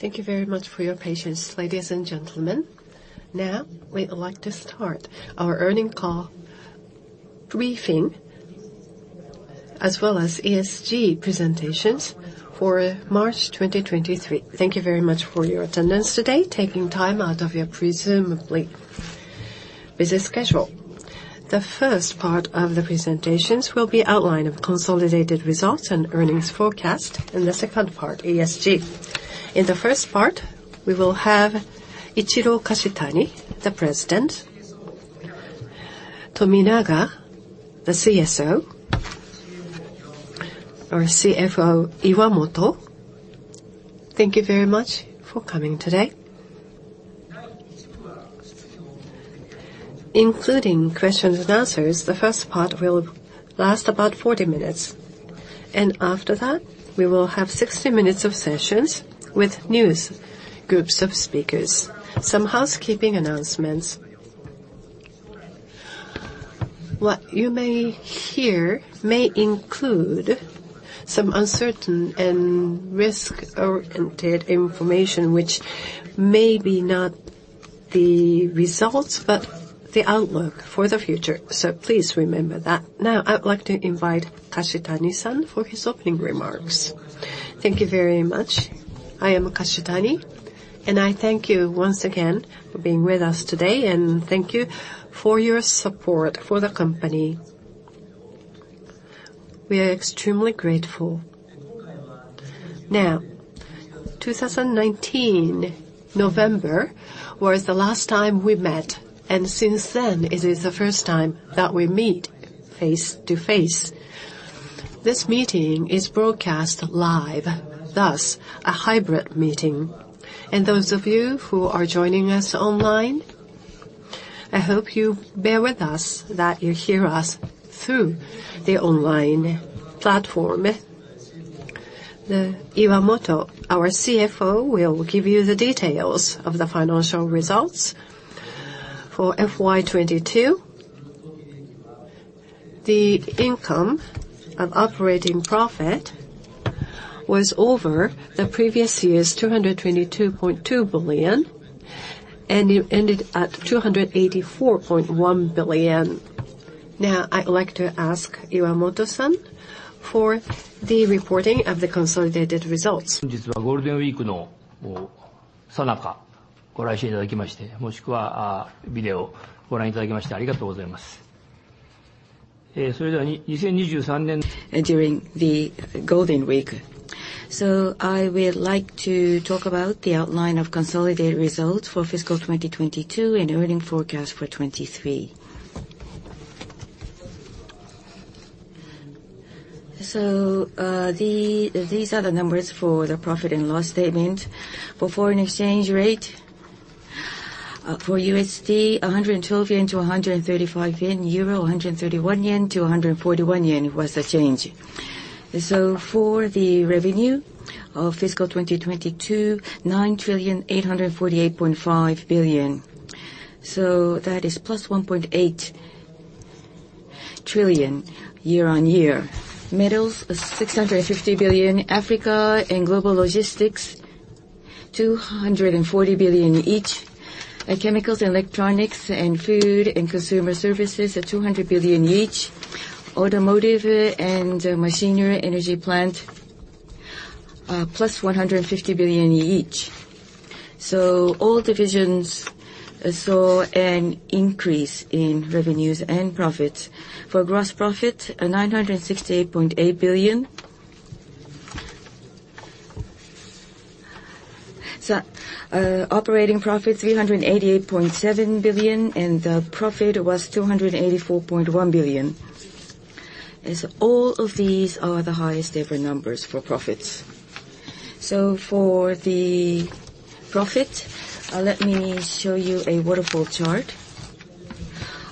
Thank you very much for your patience, ladies and gentlemen. We would like to start our earnings call briefing, as well as ESG presentations for March 2023. Thank you very much for your attendance today, taking time out of your presumably busy schedule. The first part of the presentations will be outline of consolidated results and earnings forecast. In the second part, ESG. In the first part, we will have Ichiro Kashitani, the President, Tominaga, the CSO, our CFO, Iwamoto. Thank you very much for coming today. Including questions and answers, the first part will last about 40 minutes. After that, we will have 60 minutes of sessions with news groups of speakers. Some housekeeping announcements. What you may hear may include some uncertain and risk-oriented information which may be not the results, but the outlook for the future. Please remember that. I would like to invite Kashitani-san for his opening remarks. Thank you very much. I am Kashitani. I thank you once again for being with us today. Thank you for your support for the company. We are extremely grateful. 2019, November, was the last time we met. Since then, it is the first time that we meet face-to-face. This meeting is broadcast live, thus a hybrid meeting. Those of you who are joining us online, I hope you bear with us that you hear us through the online platform. Iwamoto, our CFO, will give you the details of the financial results for FY 22. The income and operating profit was over the previous year's 222.2 billion. It ended at 284.1 billion. Now, I'd like to ask Iwamoto-san for the reporting of the consolidated results. During the Golden Week. I would like to talk about the outline of consolidated results for fiscal 2022 and earning forecast for 2023. These are the numbers for the profit and loss statement. For foreign exchange rate, for USD, 112-135 yen. EUR, JPY 131-JPY 141 was the change. For the revenue of fiscal 2022, 9,848.5 billion. That is plus 1.8 trillion year-on-year. Metals is 650 billion. Africa and Global Logistics, 240 billion each. Chemicals, Electronics, and Food and Consumer Services at 200 billion each. Automotive and Machinery, Energy Plant, plus 150 billion each. All divisions saw an increase in revenues and profits. For gross profit, 968.8 billion. Operating profit, 388.7 billion, and the profit was 284.1 billion. All of these are the highest ever numbers for profits. For the profit, let me show you a waterfall chart.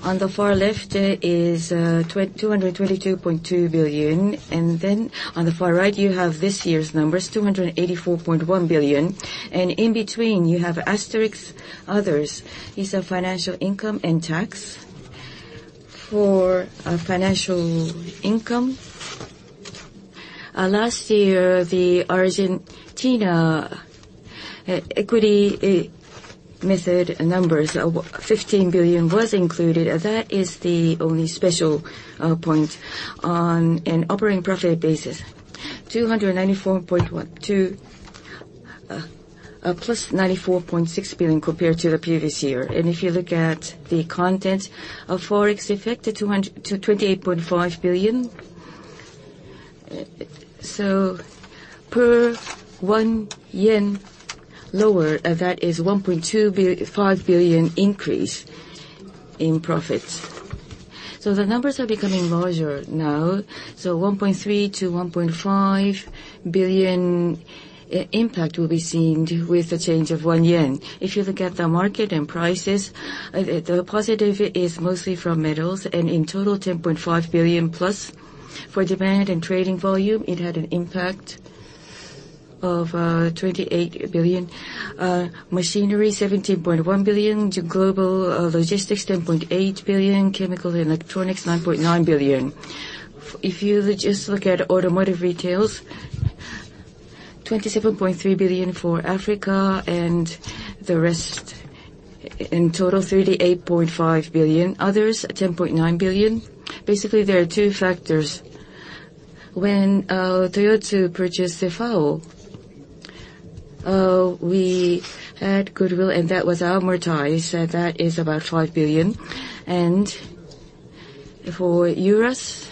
On the far left is 222.2 billion, and then on the far right, you have this year's numbers, 284.1 billion. In between, you have asterisk others. These are financial income and tax. Financial income, last year, the Argentina equity method numbers of 15 billion was included. That is the only special point on an operating profit basis. 294.12. Plus 94.6 billion compared to the previous year. If you look at the content of Forex effect, at 228.5 billion. Per 1 yen lower, that is 1.25 billion increase in profit. The numbers are becoming larger now. 1.3 billion-1.5 billion impact will be seen with the change of 1 yen. If you look at the market and prices, the positive is mostly from Metals, and in total, 10.5 billion plus. For demand and trading volume, it had an impact of 28 billion. Machinery, 17.1 billion. Global Logistics, 10.8 billion. Chemical and Electronics, 9.9 billion. If you just look at automotive retails, 27.3 billion for Africa and the rest in total 38.5 billion. Others, 10.9 billion. Basically, there are two factors. When Toyota purchased CFAO, we had goodwill, and that was amortized. That is about 5 billion. For Eurus,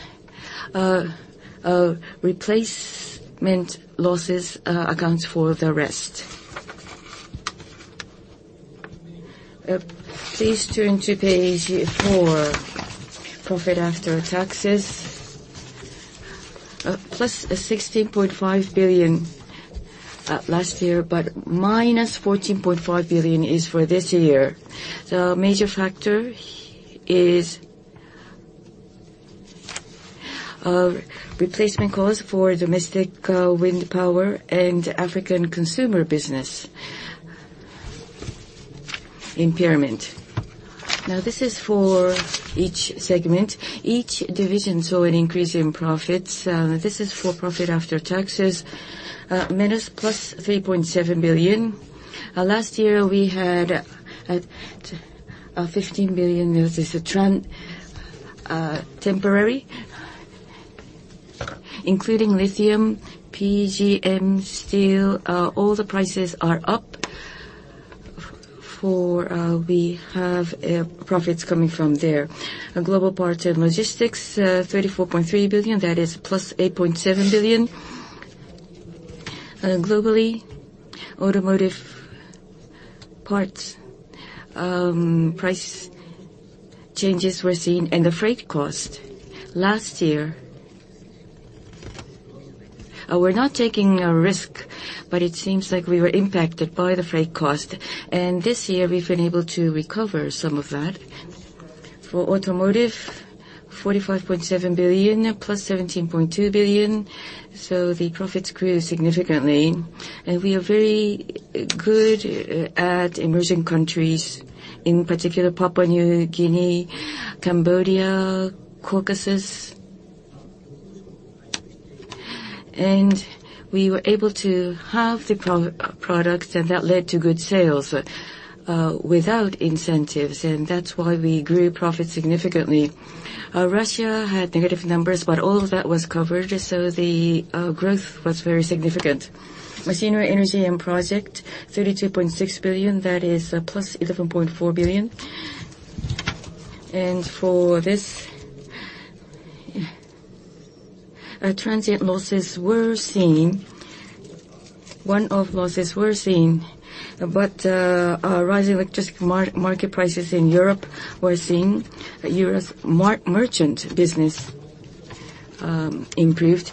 replacement losses accounts for the rest. Please turn to page 4. Profit after taxes, plus 16.5 billion last year, but minus 14.5 billion is for this year. The major factor is replacement costs for domestic wind power and African consumer business impairment. Now, this is for each segment. Each division saw an increase in profits. This is for profit after taxes. Minus plus 3.7 billion. Last year we had 15 billion. This is a trend, temporary, including lithium, PGM, steel, all the prices are up for, we have profits coming from there. Global parts and logistics, 34.3 billion. That is +8.7 billion. Globally, automotive parts, price changes were seen and the freight cost. Last year. We're not taking a risk, but it seems like we were impacted by the freight cost. This year we've been able to recover some of that. For automotive, 45.7 billion, +17.2 billion. The profits grew significantly. We are very good at emerging countries, in particular Papua New Guinea, Cambodia, Caucasus. We were able to have the pro-products, and that led to good sales, without incentives, and that's why we grew profits significantly. Russia had negative numbers, but all of that was covered, so the growth was very significant. Machinery, energy and project, 32.6 billion. That is +11.4 billion. For this, transient losses were seen. One-off losses were seen, but rising electric market prices in Europe were seen. Eurus merchant business improved.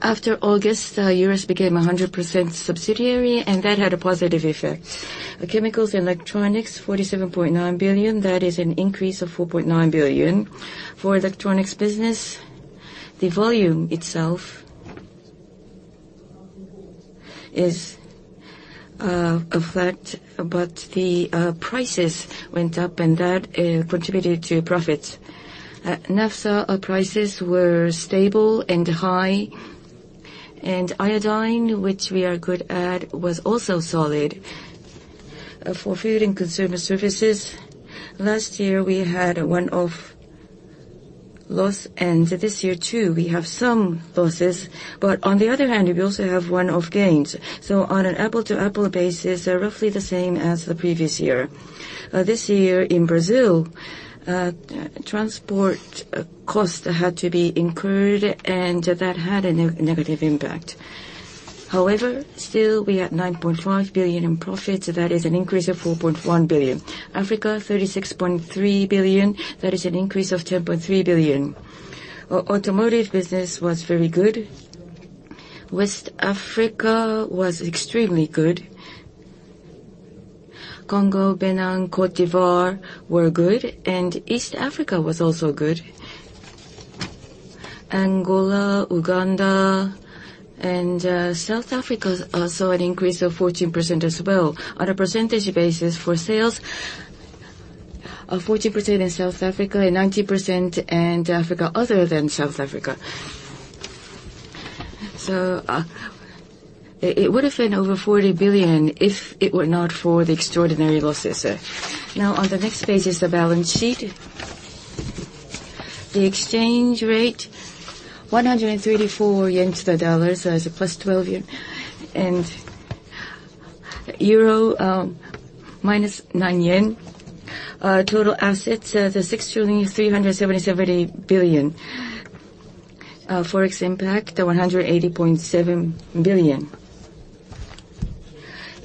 After August, Eurus became a 100% subsidiary, and that had a positive effect. Chemicals and electronics, 47.9 billion. That is an increase of 4.9 billion. For electronics business, the volume itself is flat, but the prices went up and that contributed to profits. Naphtha prices were stable and high. Iodine, which we are good at, was also solid. For food and consumer services, last year we had a one-off loss, and this year too, we have some losses. We also have one-off gains. On an apple-to-apple basis, they're roughly the same as the previous year. This year in Brazil, transport cost had to be incurred and that had a negative impact. We had 9.5 billion in profits. That is an increase of 4.1 billion. Africa, 36.3 billion. That is an increase of 10.3 billion. Automotive business was very good. West Africa was extremely good. Congo, Benin, Cote d'Ivoire were good, and East Africa was also good. Angola, Uganda and South Africa saw an increase of 14% as well on a percentage basis for sales. 14% in South Africa and 19% in Africa other than South Africa. It would have been over 40 billion if it were not for the extraordinary losses. On the next page is the balance sheet. The exchange rate, 134 yen to the dollar. It's a +12 yen, and EUR, -JPY 9. Total assets, 6.377 trillion. ForEx impact, 180.7 billion.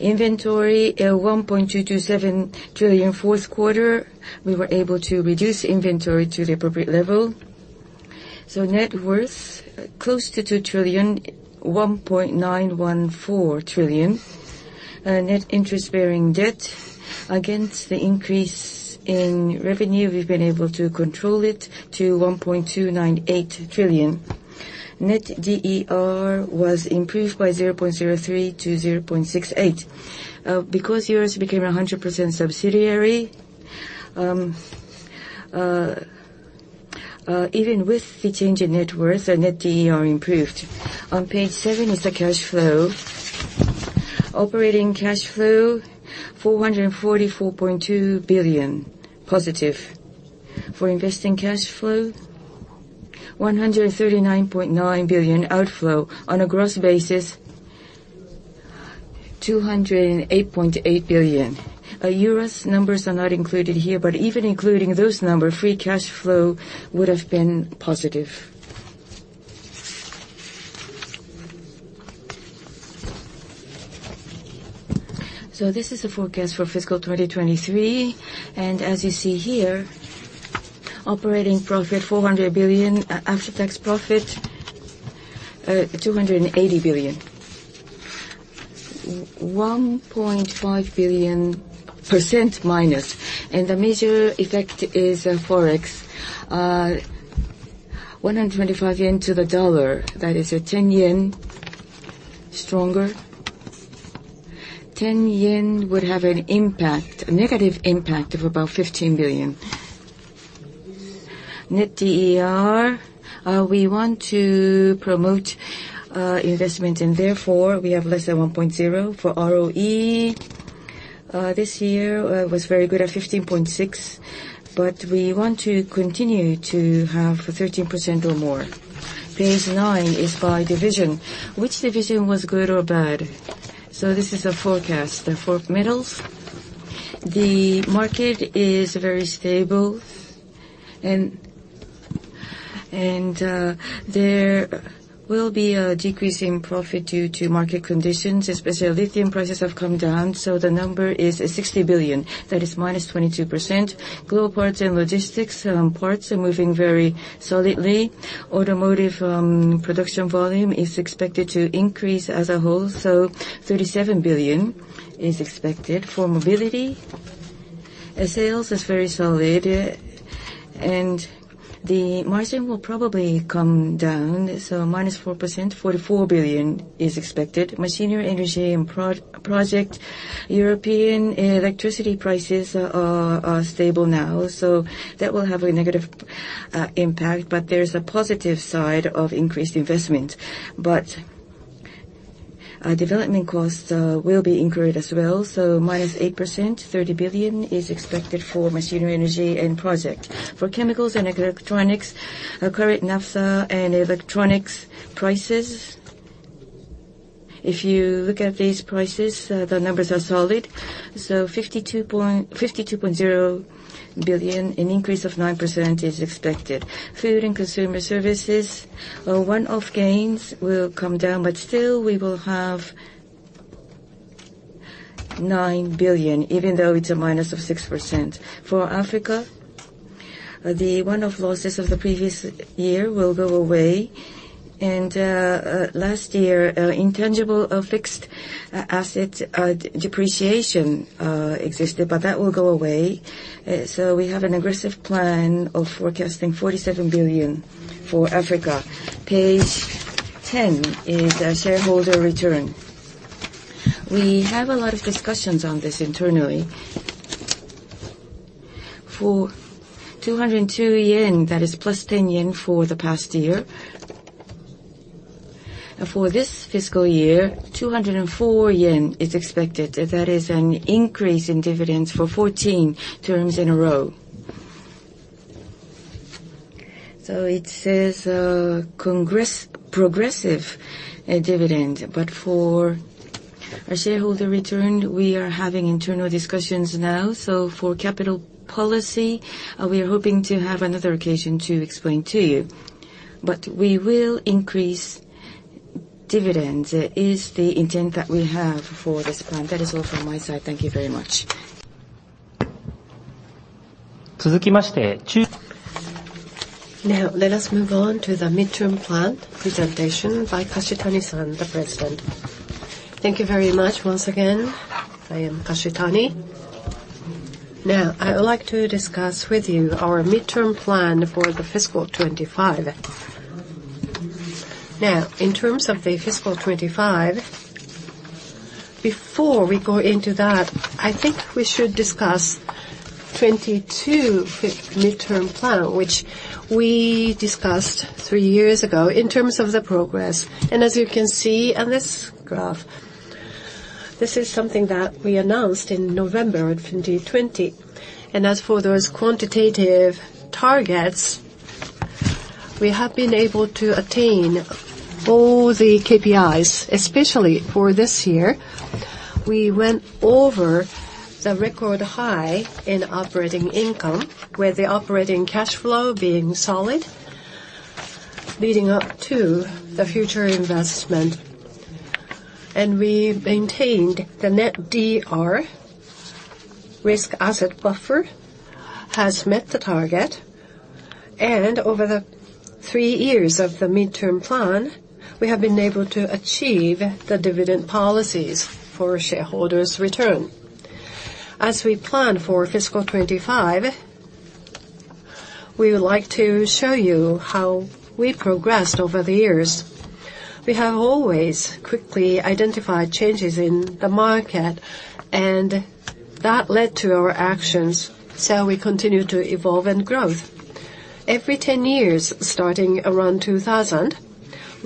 Inventory, 1.227 trillion. Fourth quarter, we were able to reduce inventory to the appropriate level. Net worth, close to 2 trillion, 1.914 trillion. Net interest-bearing debt against the increase in revenue, we've been able to control it to 1.298 trillion. Net DER was improved by 0.03 to 0.68. Because Eurus became a 100% subsidiary, even with the change in net worth, the Net DER improved. On page seven is the cash flow. Operating cash flow, 444.2 billion positive. For investing cash flow, 139.9 billion outflow. On a gross basis, 208.8 billion. Our Eurus numbers are not included here, but even including those number, free cash flow would have been positive. This is the forecast for fiscal 2023, and as you see here, operating profit, 400 billion. After-tax profit, 280 billion. 1.5 billion% minus, and the major effect is Forex. 125 yen to the dollar, that is a 10 yen stronger. 10 yen would have an impact, a negative impact of about 15 billion. Net DER, we want to promote investment, and therefore, we have less than 1.0. For ROE, this year was very good at 15.6%, we want to continue to have 13% or more. Page 9 is by division. Which division was good or bad? This is a forecast. For metals, the market is very stable, there will be a decrease in profit due to market conditions, especially lithium prices have come down, the number is 60 billion. That is -22%. Global parts and logistics, parts are moving very solidly. Automotive, production volume is expected to increase as a whole, 37 billion is expected. For mobility, sales is very solid, the margin will probably come down, -4%, 44 billion is expected. Machinery, energy, and project, European electricity prices are stable now, that will have a negative impact, there's a positive side of increased investment. Development costs will be incurred as well. Minus 8%, 30 billion is expected for machinery, energy, and project. For chemicals and electronics, our current naphtha and electronics prices, if you look at these prices, the numbers are solid. 52.0 billion, an increase of 9% is expected. Food and consumer services, our one-off gains will come down, still, we will have 9 billion, even though it's a minus of 6%. For Africa, the one-off losses of the previous year will go away, last year, intangible of fixed assets, depreciation, existed, that will go away. We have an aggressive plan of forecasting 47 billion for Africa. Page 10 is our shareholder return. We have a lot of discussions on this internally. For 202 yen, that is +10 yen for the past year. For this fiscal year, 204 yen is expected. That is an increase in dividends for 14 terms in a row. It says, progressive dividend. For our shareholder return, we are having internal discussions now. For capital policy, we are hoping to have another occasion to explain to you. But we will increase dividends. It is the intent that we have for this plan. That is all from my side. Thank you very much. Now, let us move on to the midterm plan presentation by Kashitani-san, the President. Thank you very much once again. I am Kashitani. I would like to discuss with you our midterm plan for the fiscal 25. In terms of the fiscal 25, before we go into that, I think we should discuss 22 midterm plan, which we discussed 3 years ago in terms of the progress. As you can see on this graph, this is something that we announced in November of 2020. As for those quantitative targets, we have been able to attain all the KPIs, especially for this year. We went over the record high in operating income, with the operating cashflow being solid, leading up to the future investment. We maintained the Net DER. Risk asset buffer has met the target. Over the 3 years of the midterm plan, we have been able to achieve the dividend policies for shareholders' return. As we plan for fiscal 2025, we would like to show you how we progressed over the years. We have always quickly identified changes in the market, and that led to our actions, so we continue to evolve and grow. Every 10 years, starting around 2,000,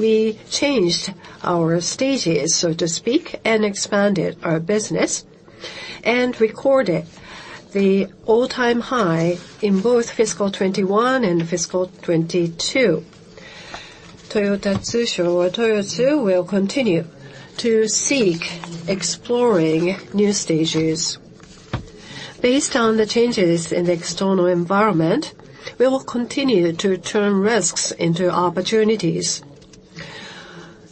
we changed our stages, so to speak, and expanded our business, and recorded the all-time high in both fiscal 2021 and fiscal 2022. Toyota Tsusho, or Toyotsu, will continue to seek exploring new stages. Based on the changes in the external environment, we will continue to turn risks into opportunities.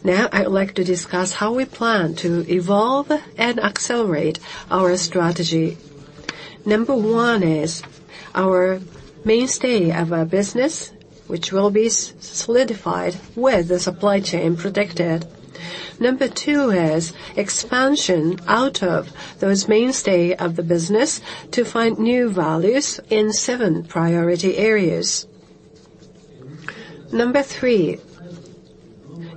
Now, I would like to discuss how we plan to evolve and accelerate our strategy. 1 is our mainstay of our business, which will be solidified with the supply chain protected. two is expansion out of those mainstay of the business to find new values in seven priority areas. Number three,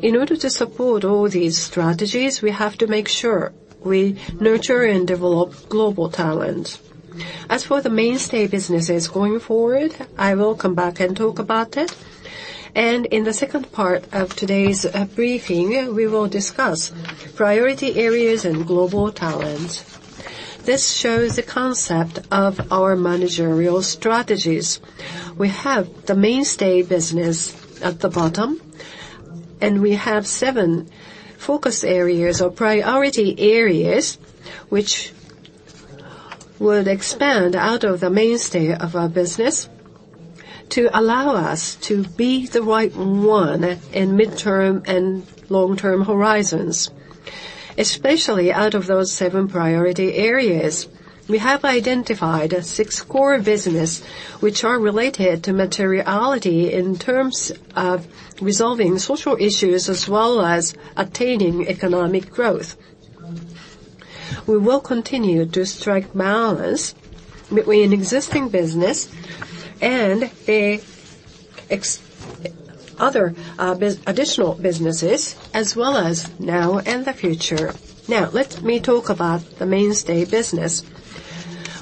in order to support all these strategies, we have to make sure we nurture and develop global talent. In the second part of today's briefing, we will discuss priority areas and global talent. This shows the concept of our managerial strategies. We have the mainstay business at the bottom, and we have 7 focus areas or priority areas which would expand out of the mainstay of our business to allow us to Be the Right ONE in midterm and long-term horizons. Especially out of those seven priority areas, we have identified six core business which are related to materiality in terms of resolving social issues as well as attaining economic growth. We will continue to strike balance between existing business and the. other additional businesses, as well as now and the future. Now, let me talk about the mainstay business.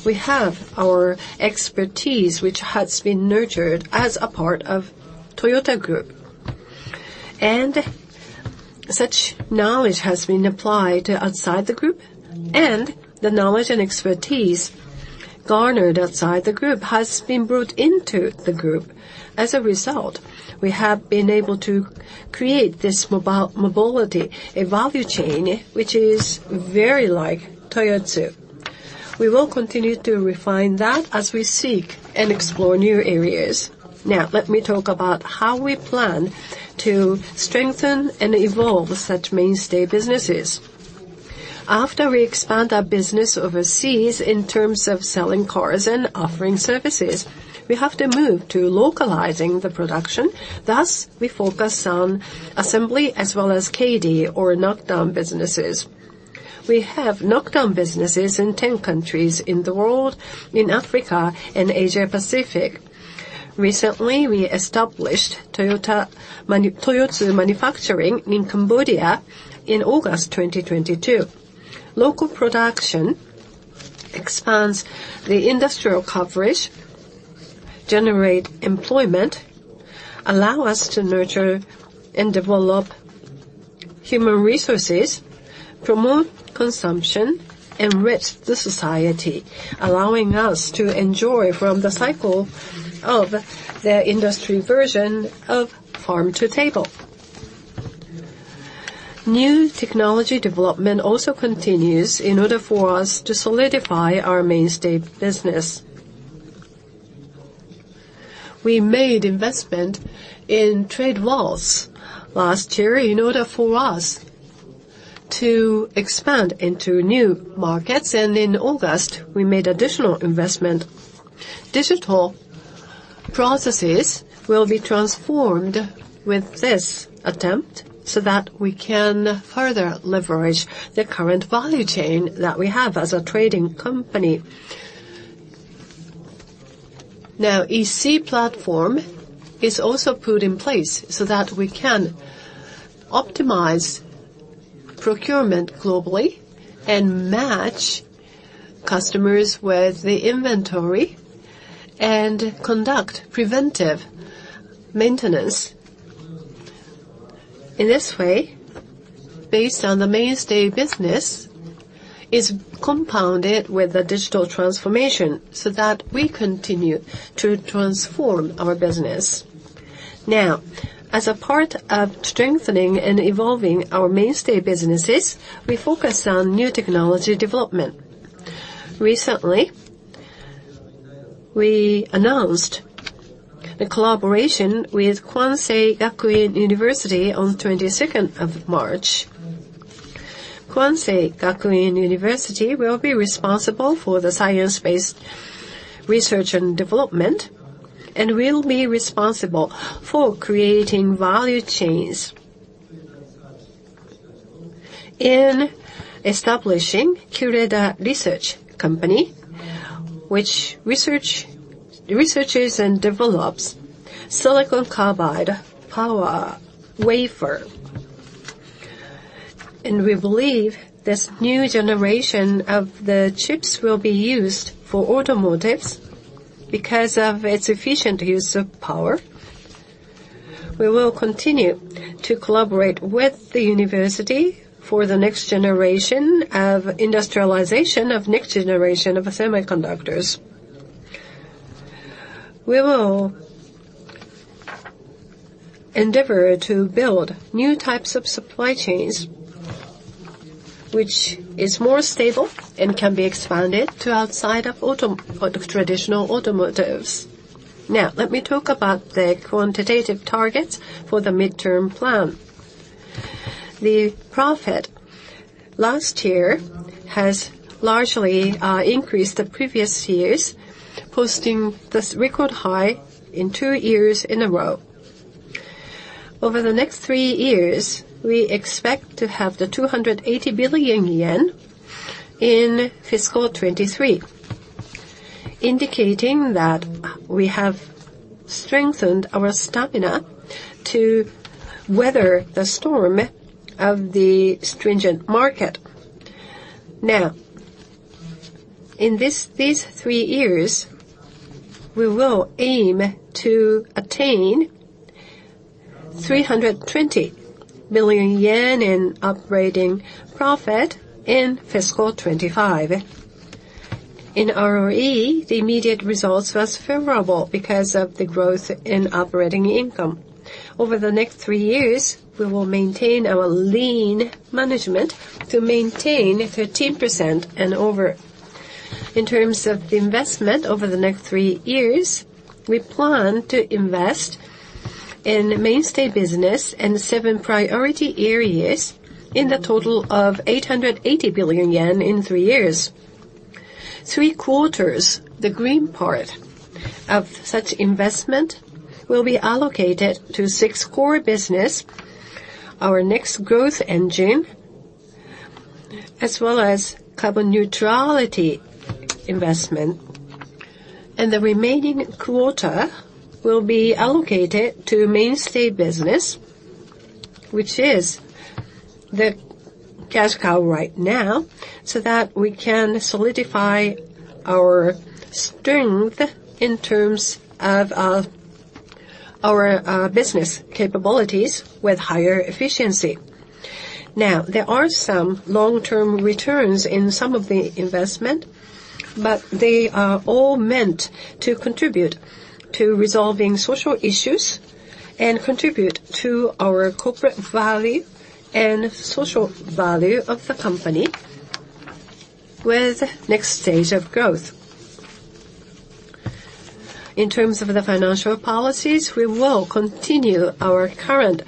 We have our expertise, which has been nurtured as a part of Toyota Group. And such knowledge has been applied outside the Group, and the knowledge and expertise garnered outside the Group has been brought into the Group. As a result, we have been able to create this mobility, a value chain which is very like Toyotsu. We will continue to refine that as we seek and explore new areas. Now, let me talk about how we plan to strengthen and evolve such mainstay businesses. After we expand our business overseas in terms of selling cars and offering services, we have to move to localizing the production. Thus, we focus on assembly as well as KD or knock-down businesses. We have knock-down businesses in 10 countries in the world, in Africa and Asia Pacific. Recently, we established Toyotsu Manufacturing in Cambodia in August 2022. Local production expands the industrial coverage, generate employment, allow us to nurture and develop human resources, promote consumption, enrich the society, allowing us to enjoy from the cycle of the industry version of farm to table. New technology development also continues in order for us to solidify our mainstay business. We made investment in Tradewalls last year in order for us to expand into new markets. In August, we made additional investment. Digital processes will be transformed with this attempt so that we can further leverage the current value chain that we have as a trading company. EC platform is also put in place so that we can optimize procurement globally and match customers with the inventory and conduct preventive maintenance. In this way, based on the mainstay business, is compounded with the digital transformation so that we continue to transform our business. Now, as a part of strengthening and evolving our mainstay businesses, we focus on new technology development. Recently, we announced the collaboration with Kwansei Gakuin University on 22nd of March. Kwansei Gakuin University will be responsible for the science-based research and development and will be responsible for creating value chains. In establishing QureDA Research, Inc., which researches and develops silicon carbide power wafer. We believe this new generation of the chips will be used for automotives because of its efficient use of power. We will continue to collaborate with the university for the next generation of industrialization of next generation of semiconductors. We will endeavor to build new types of supply chains, which is more stable and can be expanded to outside of traditional automotives. Let me talk about the quantitative targets for the midterm plan. The profit last year has largely increased the previous years, posting this record high in 2 years in a row. Over the next three years, we expect to have the 280 billion yen in fiscal 2023, indicating that we have strengthened our stamina to weather the storm of the stringent market. In these three years, we will aim to attain 320 billion yen in operating profit in fiscal 2025. In ROE, the immediate results was favorable because of the growth in operating income. Over the next three years, we will maintain our lean management to maintain 13% and over. In terms of the investment, over the next three years, we plan to invest in mainstay business and seven priority areas in the total of 880 billion yen in three years. Three-quarters, the green part, of such investment will be allocated to six core business, our next growth engine, as well as carbon neutrality investment. The remaining quarter will be allocated to mainstay business, which is the cash cow right now, so that we can solidify our strength in terms of our business capabilities with higher efficiency. There are some long-term returns in some of the investment, but they are all meant to contribute to resolving social issues and contribute to our corporate value and social value of the company with next stage of growth. In terms of the financial policies, we will continue our current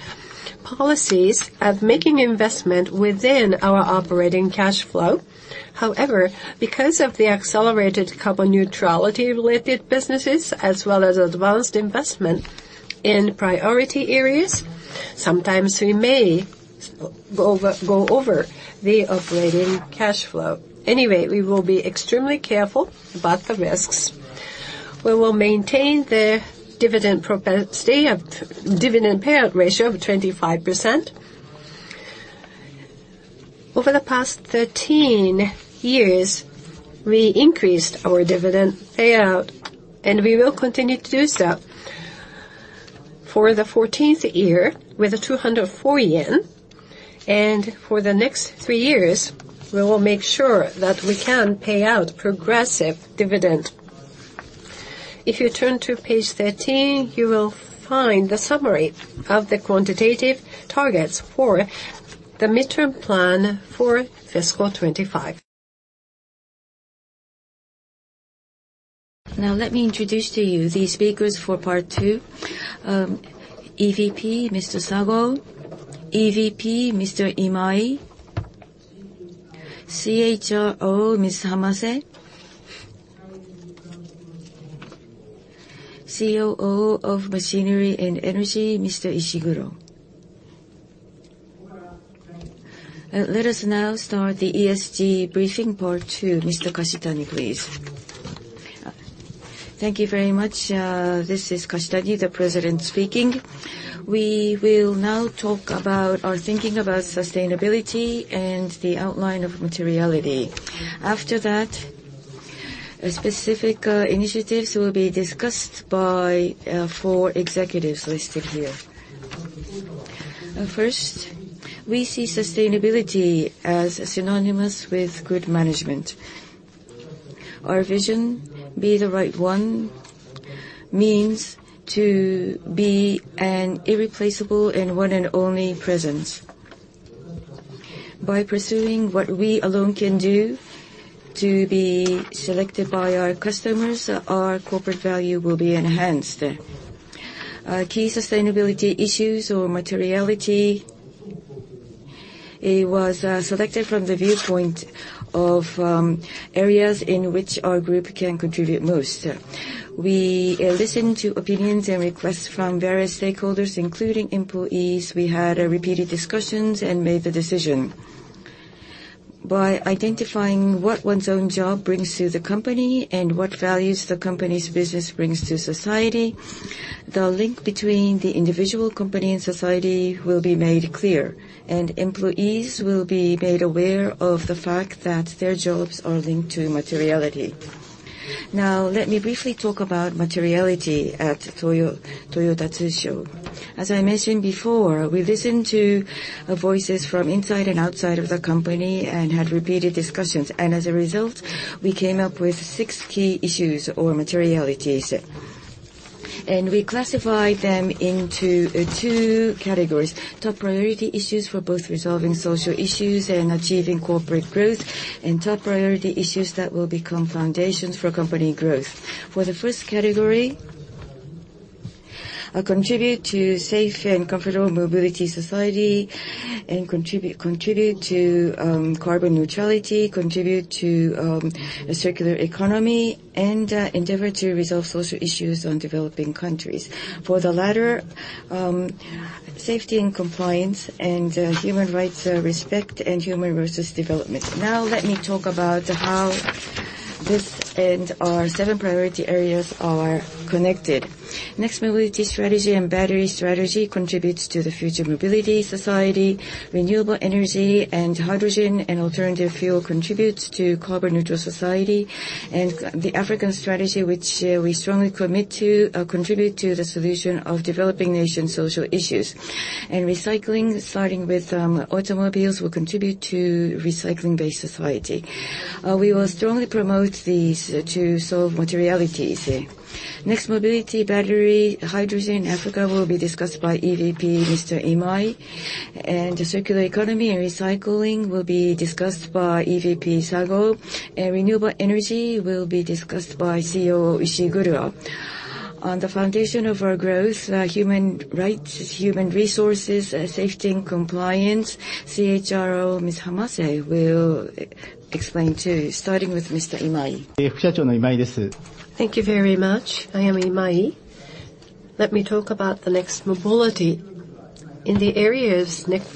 policies of making investment within our operating cash flow. However, because of the accelerated carbon neutrality-related businesses as well as advanced investment in priority areas, sometimes we may go over the operating cash flow. Anyway, we will be extremely careful about the risks. We will maintain the dividend payout ratio of 25%. Over the past 13 years, we increased our dividend payout, and we will continue to do so for the 14th year with the 204 yen. For the next three years, we will make sure that we can pay out progressive dividend. If you turn to page 13, you will find the summary of the quantitative targets for the midterm plan for fiscal 25. Let me introduce to you the speakers for part two. EVP, Mr. Sago, EVP, Mr. Imai, CHRO, Ms. Hamase, COO of Machinery and Energy, Mr. Ishiguro. Let us now start the ESG briefing part two. Mr. Kashitani, please. Thank you very much. This is Kashitani, the President speaking. We will now talk about our thinking about sustainability and the outline of materiality. After that, specific initiatives will be discussed by four executives listed here. First, we see sustainability as synonymous with good management. Our vision, Be the Right ONE, means to be an irreplaceable and one and only presence. By pursuing what we alone can do to be selected by our customers, our corporate value will be enhanced. Our key sustainability issues or materiality, it was selected from the viewpoint of areas in which our group can contribute most. We listened to opinions and requests from various stakeholders, including employees. We had repeated discussions and made the decision. By identifying what one's own job brings to the company and what values the company's business brings to society, the link between the individual, company, and society will be made clear, and employees will be made aware of the fact that their jobs are linked to materiality. Let me briefly talk about materiality at Toyota Tsusho. As I mentioned before, we listened to voices from inside and outside of the company and had repeated discussions. As a result, we came up with 6 key issues or materialities. We classified them into two categories: top priority issues for both resolving social issues and achieving corporate growth, and top priority issues that will become foundations for company growth. For the first category, contribute to safe and comfortable mobility society and contribute to carbon neutrality, contribute to a circular economy and endeavor to resolve social issues on developing countries. For the latter, safety and compliance and human rights, respect and human resources development. Now, let me talk about how this and our seven priority areas are connected. Next, mobility strategy and battery strategy contributes to the future mobility society. Renewable energy and hydrogen and alternative fuel contributes to carbon neutral society. The African strategy, which we strongly commit to, contribute to the solution of developing nations' social issues. Recycling, starting with automobiles, will contribute to recycling-based society. We will strongly promote these to solve materialities. Next, mobility, battery, hydrogen, Africa will be discussed by EVP Mr. Imai. The circular economy and recycling will be discussed by EVP Sago. Renewable energy will be discussed by CEO Ishiguro. On the foundation of our growth, human rights, human resources, safety and compliance, CHRO Ms. Hamase will explain, too. Starting with Mr. Imai. Thank you very much. I am Imai. Let me talk about the next mobility. In the areas next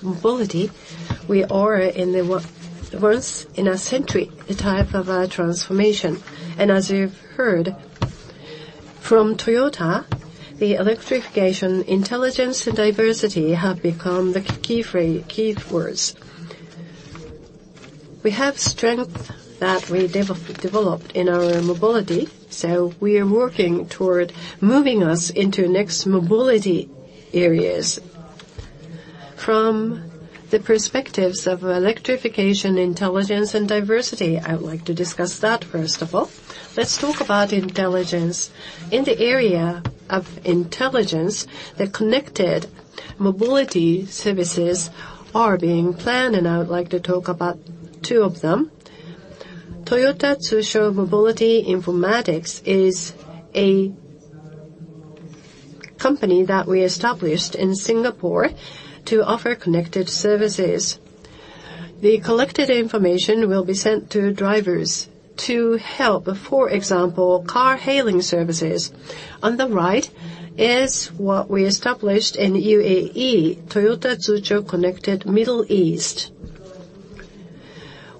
mobility, we are in a once in a century type of transformation. As you've heard from Toyota, the electrification, intelligence, and diversity have become the key words. We have strength that we developed in our mobility, so we are working toward moving us into next mobility areas. From the perspectives of electrification, intelligence, and diversity, I would like to discuss that first of all. Let's talk about intelligence. In the area of intelligence, the connected mobility services are being planned, and I would like to talk about two of them. Toyota Tsusho Mobility Informatics is a company that we established in Singapore to offer connected services. The collected information will be sent to drivers to help, for example, car hailing services. On the right is what we established in UAE, Toyota Tsusho Connected Middle East.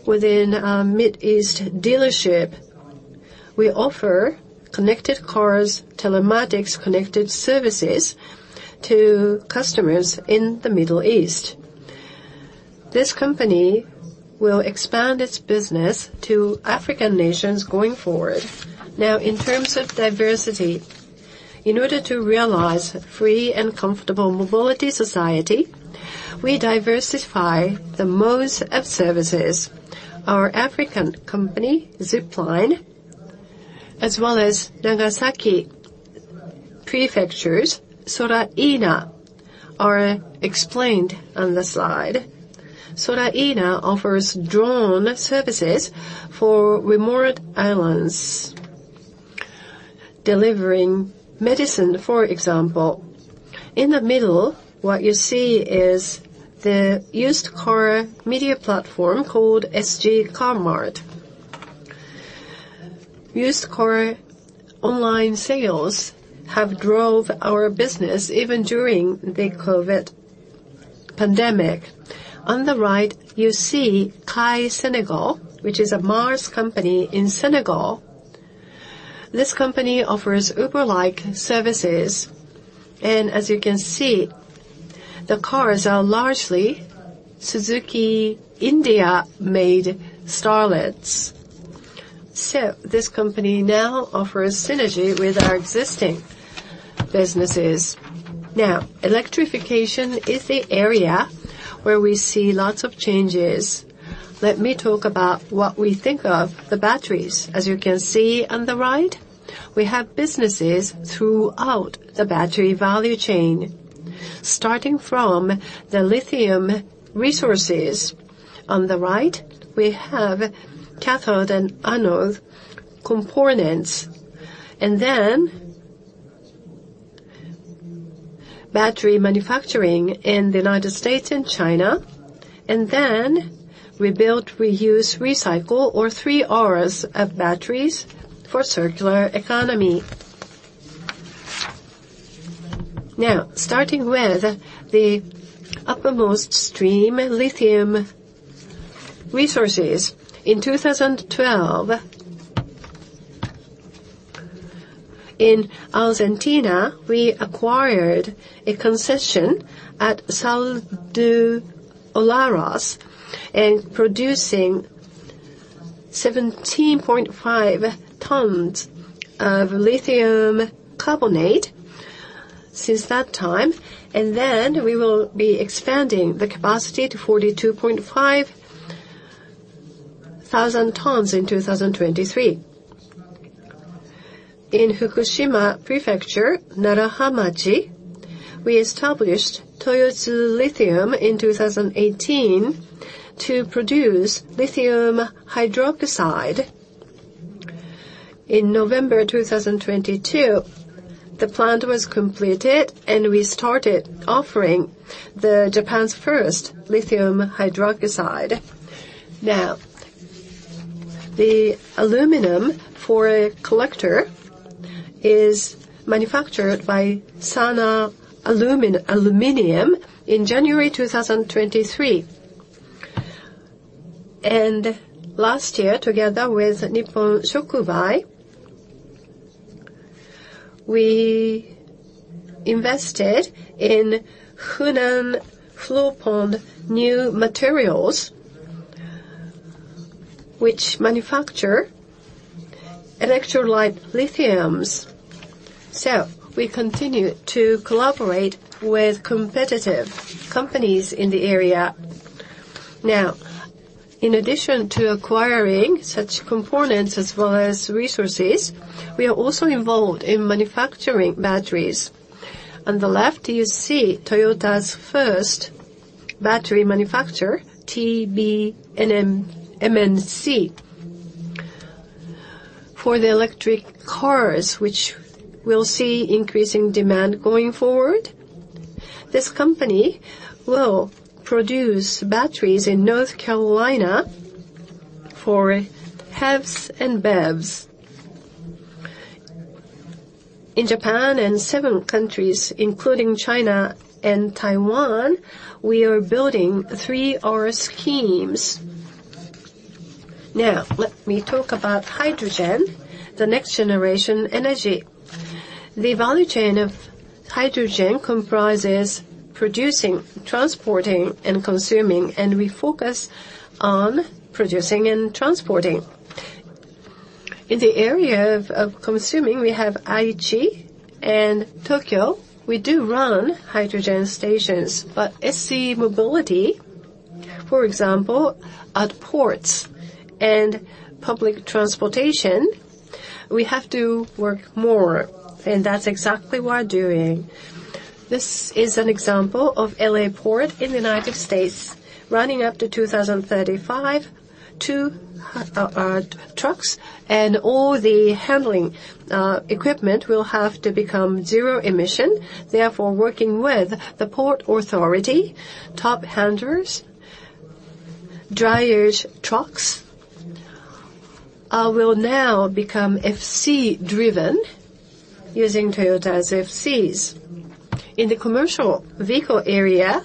Within our Mid East dealership, we offer connected cars, telematics, connected services to customers in the Middle East. This company will expand its business to African nations going forward. Now, in terms of diversity, in order to realize free and comfortable mobility society, we diversify the modes of services. Our African company, Zipline, as well as Nagasaki Prefecture's Sora-iina are explained on the slide. Sora-iina offers drone services for remote islands, delivering medicine, for example. In the middle, what you see is the used car media platform called SGCarMart. Used car online sales have drove our business even during the COVID pandemic. On the right, you see Kai Senegal, which is a MaaS company in Senegal. This company offers Uber-like services, and as you can see, the cars are largely Suzuki India-made Starlets. This company now offers synergy with our existing businesses. Electrification is the area where we see lots of changes. Let me talk about what we think of the batteries. As you can see on the right, we have businesses throughout the battery value chain. Starting from the lithium resources on the right, we have cathode and anode components, and then battery manufacturing in the United States and China, and then rebuild, reuse, recycle, or 3R's of batteries for circular economy. Starting with the uppermost stream, lithium resources. In 2012, in Argentina, we acquired a concession at Salar de Olaroz, and producing 17.5 tons of lithium carbonate since that time. We will be expanding the capacity to 42,500 tons in 2023. In Fukushima Prefecture, Naraha-machi, we established Toyotsu Lithium in 2018 to produce lithium hydroxide. In November 2022, the plant was completed, and we started offering the Japan's first lithium hydroxide. Now, the aluminum foil collector is manufactured by SAN-A-Aluminum in January 2023. Last year, together with Nippon Shokubai, we invested in Hunan Fluopon New Materials, which manufacture electrolyte lithiums. We continue to collaborate with competitive companies in the area. Now, in addition to acquiring such components as well as resources, we are also involved in manufacturing batteries. On the left, you see Toyota's first battery manufacturer, TBMNC. For the electric cars which will see increasing demand going forward, this company will produce batteries in North Carolina for HEVs and BEVs. In Japan and 7 countries, including China and Taiwan, we are building 3R schemes. Now, let me talk about hydrogen, the next generation energy. The value chain of hydrogen comprises producing, transporting, and consuming. We focus on producing and transporting. In the area of consuming, we have Aichi and Tokyo. We do run hydrogen stations. SC mobility, for example, at ports and public transportation, we have to work more. That's exactly what we are doing. This is an example of L.A. Port in the United States. Running up to 2035, two trucks and all the handling equipment will have to become zero emission. Working with the Port Authority, top handlers, drayage trucks will now become FC-driven using Toyota's FCs. In the commercial vehicle area,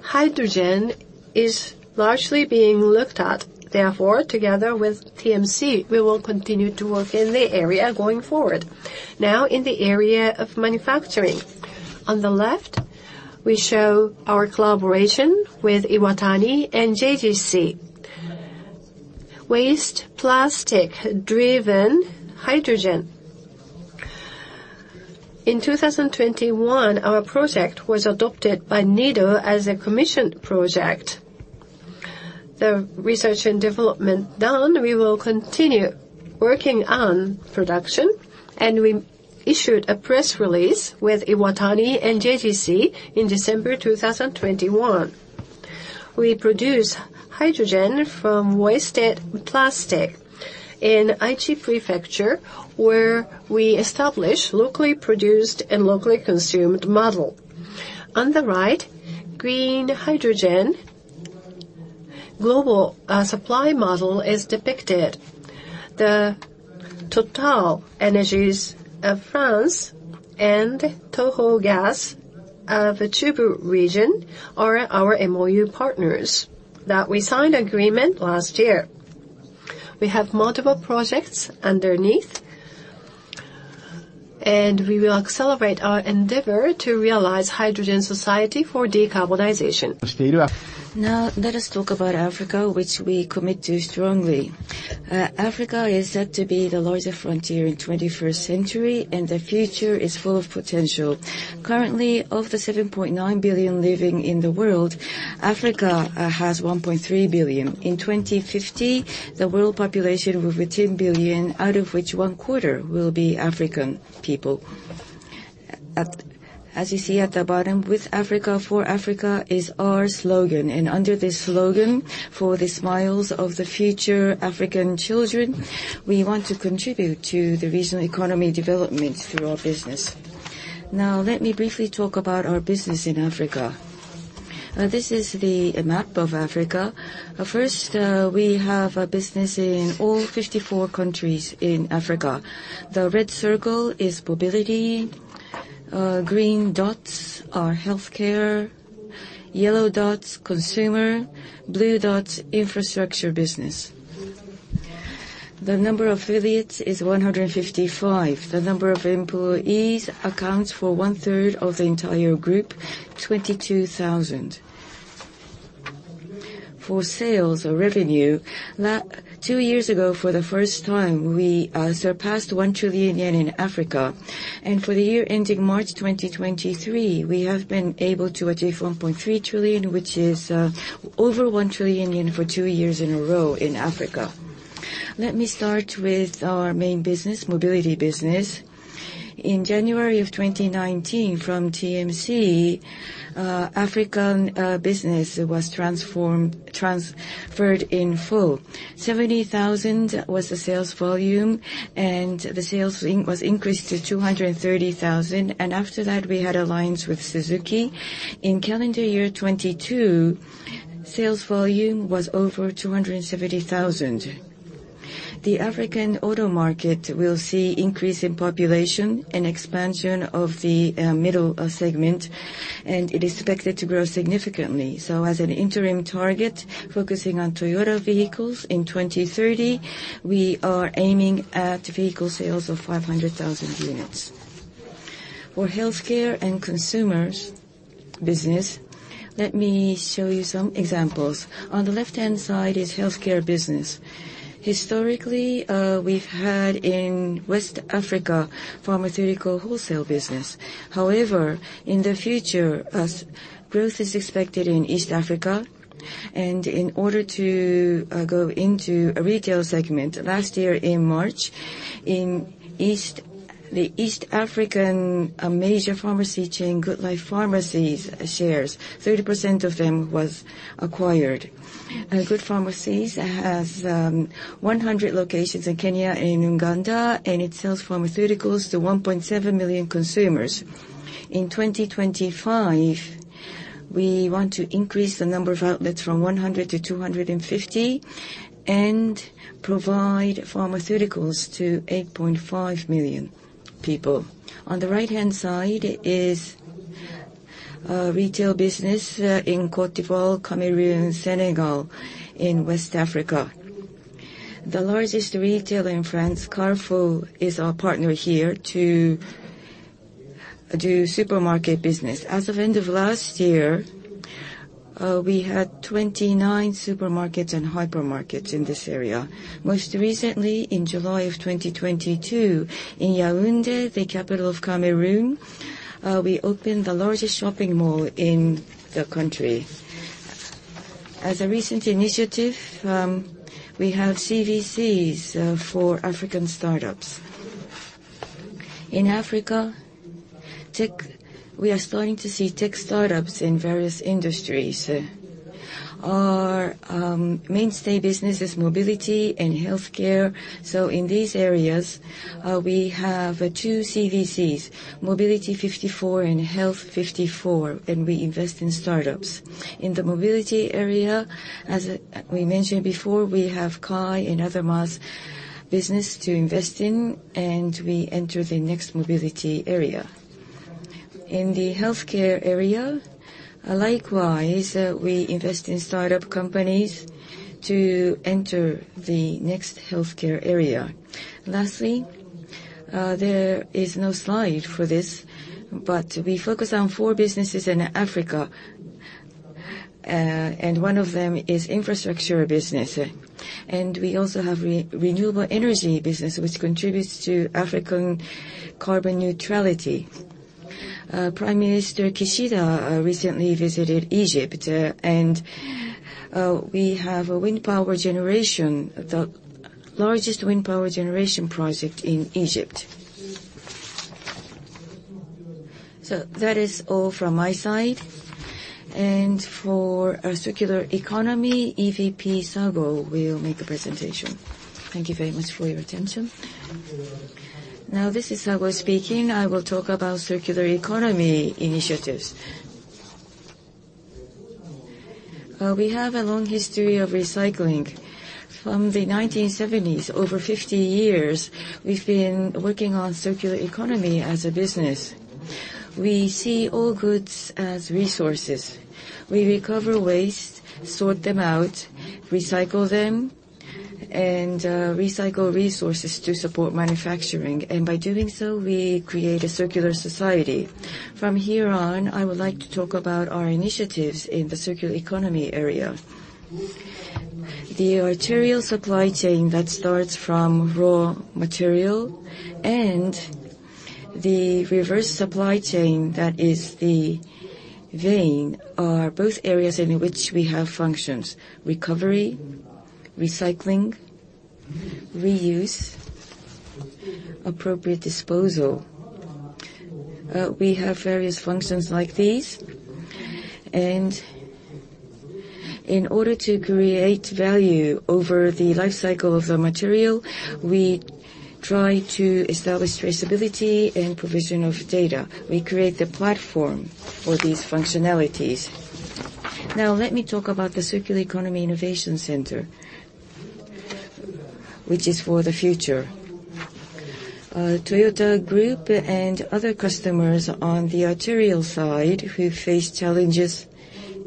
hydrogen is largely being looked at. Together with TMC, we will continue to work in the area going forward. In the area of manufacturing. On the left, we show our collaboration with Iwatani and JGC. Waste plastic-driven hydrogen. In 2021, our project was adopted by NEDO as a commission project. The research and development done, we will continue working on production. We issued a press release with Iwatani and JGC in December 2021. We produce hydrogen from wasted plastic in Aichi Prefecture, where we establish locally produced and locally consumed model. On the right, green hydrogen global supply model is depicted. The TotalEnergies of France and Toho Gas of the Chubu region are our MOU partners that we signed agreement last year. We have multiple projects underneath. We will accelerate our endeavor to realize hydrogen society for decarbonization. Now, let us talk about Africa, which we commit to strongly. Africa is said to be the largest frontier in 21st century. The future is full of potential. Currently, of the 7.9 billion living in the world, Africa has 1.3 billion. In 2050, the world population will be 10 billion, out of which one quarter will be African people. As you see at the bottom, WITH AFRICA FOR AFRICA is our slogan. Under this slogan, for the smiles of the future African children, we want to contribute to the regional economy development through our business. Let me briefly talk about our business in Africa. This is the map of Africa. First, we have a business in all 54 countries in Africa. The red circle is mobility. Green dots are healthcare. Yellow dots, consumer. Blue dots, infrastructure business. The number of affiliates is 155. The number of employees accounts for one-third of the entire group, 22,000. For sales or revenue, two years ago, for the first time, we surpassed 1 trillion yen in Africa. For the year ending March 2023, we have been able to achieve 1.3 trillion, which is over 1 trillion yen for two years in a row in Africa. Let me start with our main business, mobility business. In January 2019, from TMC, African business was transferred in full. 70,000 was the sales volume, and the sales was increased to 230,000. After that, we had alliance with Suzuki. In calendar year 2022, sales volume was over 270,000. The African auto market will see increase in population and expansion of the middle segment, and it is expected to grow significantly. As an interim target, focusing on Toyota vehicles, in 2030, we are aiming at vehicle sales of 500,000 units. For healthcare and consumers business, let me show you some examples. On the left-hand side is healthcare business. Historically, we've had in West Africa pharmaceutical wholesale business. In the future, as growth is expected in East Africa, and in order to go into a retail segment, last year in March, the East African, a major pharmacy chain, Goodlife Pharmacies, shares, 30% of them was acquired. Goodlife Pharmacies has 100 locations in Kenya and Uganda, and it sells pharmaceuticals to 1.7 million consumers. In 2025, we want to increase the number of outlets from 100 to 250 and provide pharmaceuticals to 8.5 million people. On the right-hand side is retail business in Côte d'Ivoire, Cameroon, Senegal in West Africa. The largest retailer in France, Carrefour, is our partner here to do supermarket business. As of end of last year, we had 29 supermarkets and hypermarkets in this area. Most recently, in July of 2022, in Yaoundé, the capital of Cameroon, we opened the largest shopping mall in the country. As a recent initiative, we have CVCs for African startups. In Africa, we are starting to see tech startups in various industries. Our mainstay business is mobility and healthcare. In these areas, we have two CVCs, Mobility 54 and Health54, and we invest in startups. In the mobility area, as we mentioned before, we have Kai and Othermos business to invest in, and we enter the next mobility area. In the healthcare area, likewise, we invest in startup companies to enter the next healthcare area. There is no slide for this, but we focus on four businesses in Africa. One of them is infrastructure business. We also have renewable energy business, which contributes to African carbon neutrality. Prime Minister Kishida recently visited Egypt, and we have a wind power generation, the largest wind power generation project in Egypt. That is all from my side. For our circular economy, EVP Sago will make a presentation. Thank you very much for your attention. Now, this is Sago speaking. I will talk about circular economy initiatives. We have a long history of recycling. From the 1970s, over 50 years, we've been working on circular economy as a business. We see all goods as resources. We recover waste, sort them out, recycle them, and recycle resources to support manufacturing. By doing so, we create a circular society. From here on, I would like to talk about our initiatives in the circular economy area. The arterial supply chain that starts from raw material and the reverse supply chain, that is the vein, are both areas in which we have functions. Recovery, recycling, reuse, appropriate disposal. We have various functions like these. In order to create value over the life cycle of the material, we try to establish traceability and provision of data. We create the platform for these functionalities. Now let me talk about the Circular Economy Innovation Center. Which is for the future. Toyota Group and other customers on the arterial side who face challenges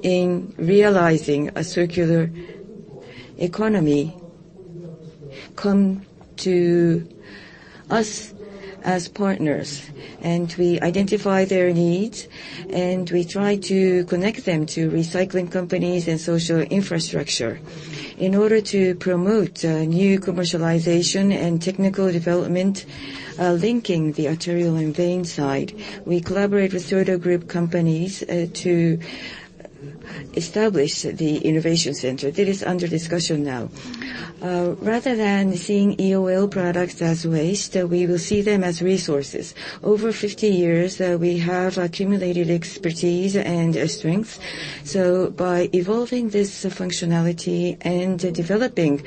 in realizing a circular economy come to us as partners, and we identify their needs, and we try to connect them to recycling companies and social infrastructure. In order to promote new commercialization and technical development, linking the arterial and vein side, we collaborate with Toyota Group companies to establish the innovation center. That is under discussion now. Rather than seeing EOL products as waste, we will see them as resources. Over 50 years, we have accumulated expertise and strength. By evolving this functionality and developing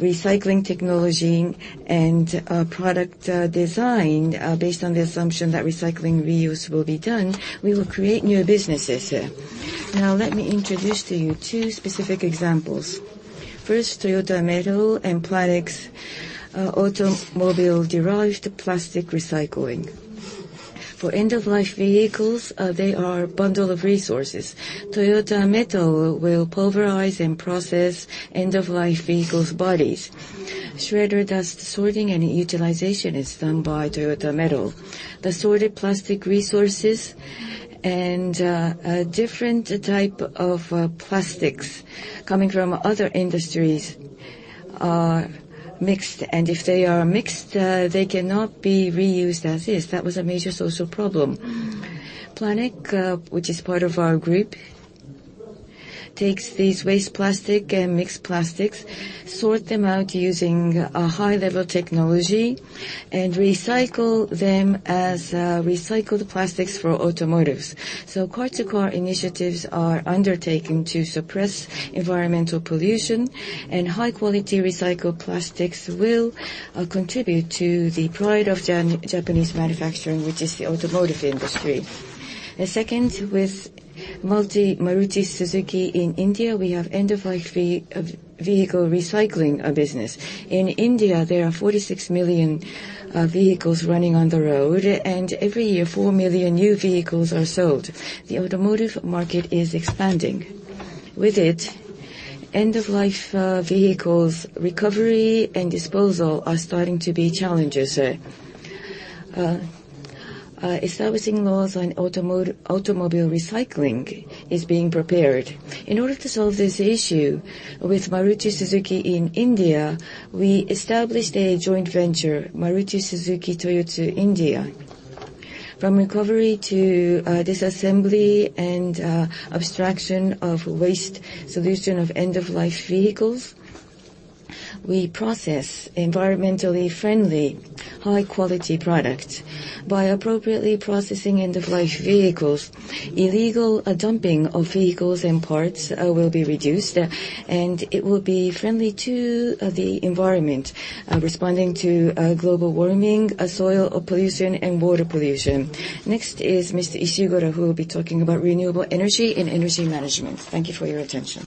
recycling technology and product design, based on the assumption that recycling reuse will be done, we will create new businesses. Now let me introduce to you two specific examples. First, Toyota Metal and Planex, automobile-derived plastic recycling. For end-of-life vehicles, they are a bundle of resources. Toyota Metal will pulverize and process end-of-life vehicles' bodies. Shredder dust sorting and utilization is done by Toyota Metal. The sorted plastic resources and different type of plastics coming from other industries are mixed. If they are mixed, they cannot be reused as is. That was a major social problem. Planex, which is part of our group, takes these waste plastic and mixed plastics, sort them out using a high-level technology, and recycle them as recycled plastics for automotive. Car-to-car initiatives are undertaken to suppress environmental pollution. High-quality recycled plastics will contribute to the pride of Japanese manufacturing, which is the automotive industry. The second, with Maruti Suzuki in India, we have end-of-life vehicle recycling business. In India, there are 46 million vehicles running on the road, and every year, 4 million new vehicles are sold. The automotive market is expanding. With it, end-of-life vehicles recovery and disposal are starting to be challenges. Establishing laws on automobile recycling is being prepared. In order to solve this issue, with Maruti Suzuki in India, we established a joint venture, Maruti Suzuki Toyota India. From recovery to disassembly and abstraction of waste solution of end-of-life vehicles, we process environmentally friendly, high-quality products. By appropriately processing end-of-life vehicles, illegal dumping of vehicles and parts will be reduced, and it will be friendly to the environment, responding to global warming, soil pollution, and water pollution. Mr. Ishiguro, who will be talking about renewable energy and energy management. Thank you for your attention.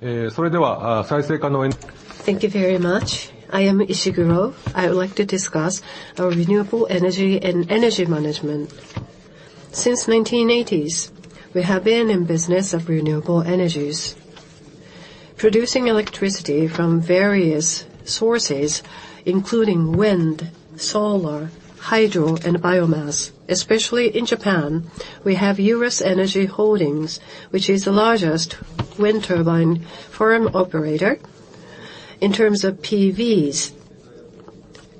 Thank you very much. I am Ishiguro. I would like to discuss our renewable energy and energy management. Since the 1980s, we have been in business of renewable energies, producing electricity from various sources, including wind, solar, hydro, and biomass. Especially in Japan, we have Eurus Energy Holdings, which is the largest wind turbine farm operator. In terms of PVs,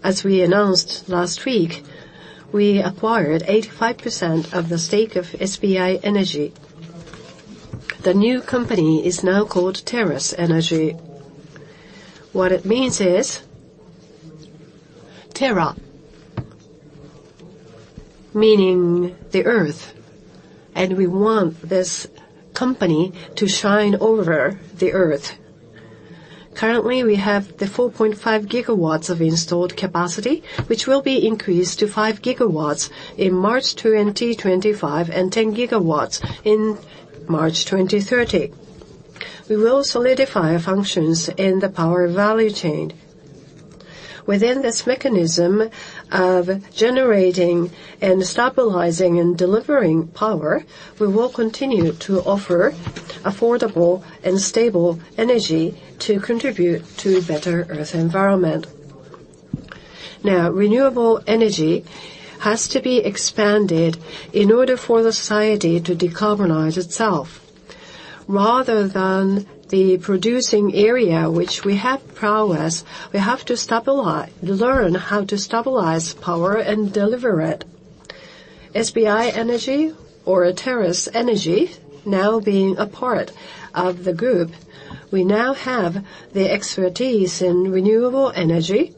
as we announced last week, we acquired 85% of the stake of SB Energy. The new company is now called Terras Energy. What it means is Terra, meaning the Earth, and we want this company to shine over the Earth. Currently, we have the 4.5 gigawatts of installed capacity, which will be increased to 5 gigawatts in March 2025 and 10 gigawatts in March 2030. We will solidify functions in the power value chain. Within this mechanism of generating and stabilizing and delivering power, we will continue to offer affordable and stable energy to contribute to a better Earth environment. Renewable energy has to be expanded in order for the society to decarbonize itself. Rather than the producing area which we have prowess, we have to learn how to stabilize power and deliver it. SB Energy or Terras Energy now being a part of the group, we now have the expertise in renewable energy,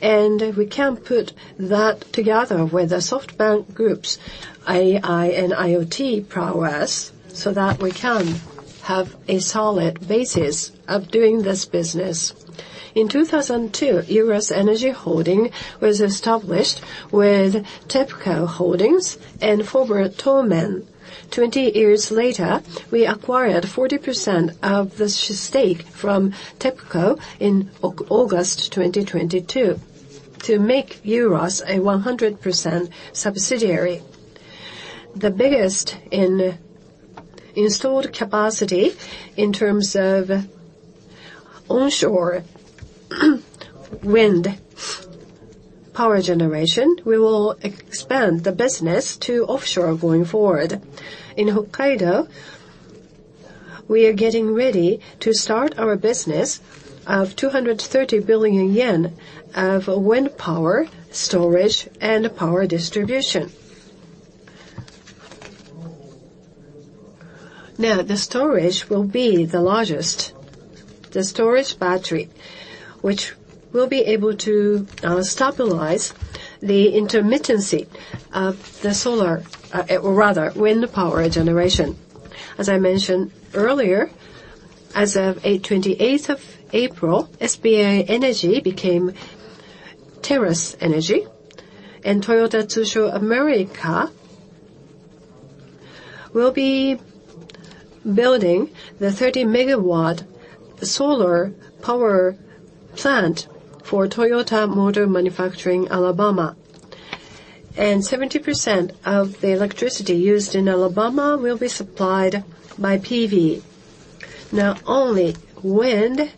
and we can put that together with the SoftBank Group's AI and IoT prowess so that we can have a solid basis of doing this business. In 2002, Eurus Energy Holdings was established with TEPCO Holdings and former Tomen. 20 years later, we acquired 40% of the stake from TEPCO in August 2022 to make Eurus a 100% subsidiary. The biggest in installed capacity in terms of onshore wind power generation. We will expand the business to offshore going forward. In Hokkaido, we are getting ready to start our business of 230 billion yen of wind power storage and power distribution. The storage will be the largest. The storage battery, which will be able to stabilize the intermittency of the solar or rather wind power generation. As I mentioned earlier, as of 28th of April, SB Energy became Terras Energy. Toyota Tsusho America will be building the 30 MW solar power plant for Toyota Motor Manufacturing Alabama. 70% of the electricity used in Alabama will be supplied by PV. Not only wind,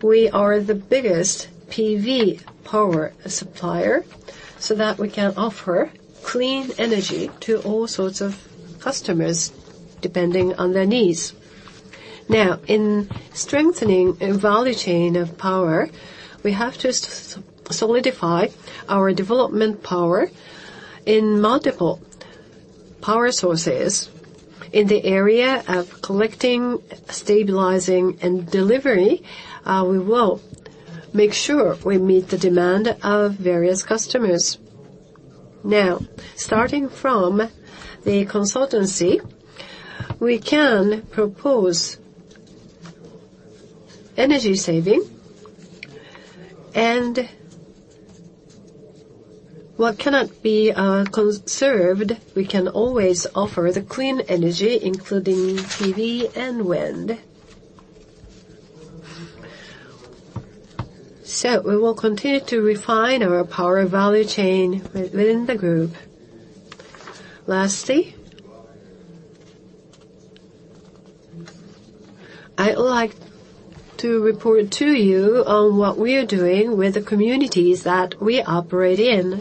we are the biggest PV power supplier, so that we can offer clean energy to all sorts of customers depending on their needs. In strengthening a value chain of power, we have to solidify our development power in multiple power sources. In the area of collecting, stabilizing, and delivery, we will make sure we meet the demand of various customers. Starting from the consultancy, we can propose energy saving. What cannot be conserved, we can always offer the clean energy, including PV and wind. We will continue to refine our power value chain within the group. Lastly, I would like to report to you on what we are doing with the communities that we operate in.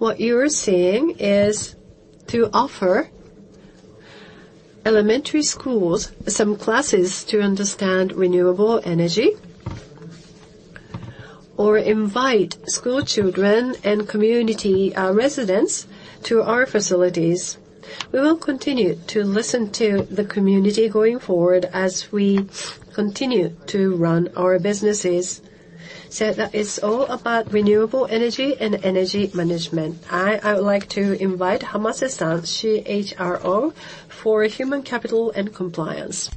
What you are seeing is to offer elementary schools some classes to understand renewable energy or invite school children and community residents to our facilities. We will continue to listen to the community going forward as we continue to run our businesses. That is all about renewable energy and energy management. I would like to invite Hamase-san, CHRO for human capital and compliance.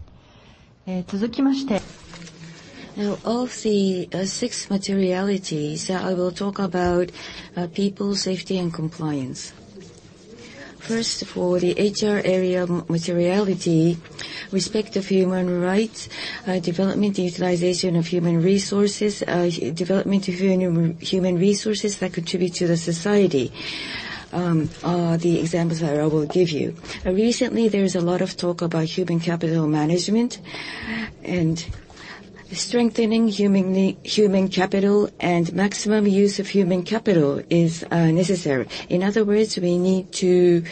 Of the 6 materialities, I will talk about people, safety, and compliance. First, for the HR area materiality, respect of human rights, development, utilization of human resources, development of human resources that contribute to the society, are the examples that I will give you. Recently, there is a lot of talk about human capital management and strengthening human capital and maximum use of human capital is necessary. In other words, we need to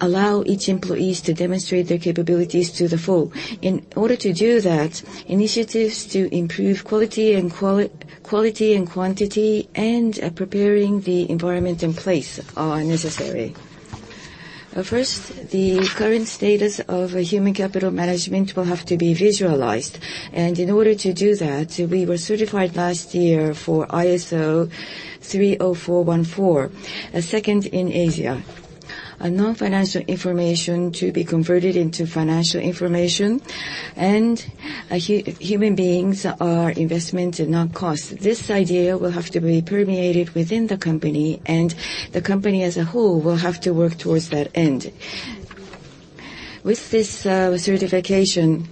allow each employees to demonstrate their capabilities to the full. In order to do that, initiatives to improve quality and quantity and preparing the environment in place are necessary. First, the current status of human capital management will have to be visualized. In order to do that, we were certified last year for ISO 30414, 2nd in Asia. Non-financial information to be converted into financial information and human beings are investment and not cost. This idea will have to be permeated within the company, and the company as a whole will have to work towards that end. With this certification,